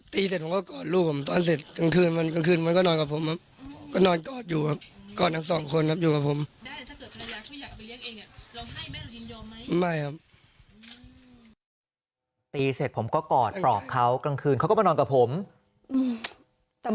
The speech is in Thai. ตีเสร็จผมก็กอดปลอกเขากลางคืนเขาก็มานอนกับผม